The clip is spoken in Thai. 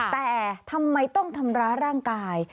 แต่ทำไมต้องทำร้ายร่างกาย